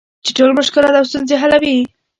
چې ټول مشکلات او ستونزې حلوي .